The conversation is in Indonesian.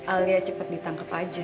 alia cepet ditangkap aja